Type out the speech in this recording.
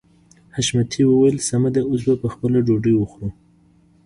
حشمتي وويل سمه ده اوس به خپله ډوډۍ وخورو.